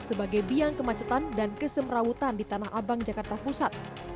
sebagai biang kemacetan dan kesemrawutan di tanah abang jakarta pusat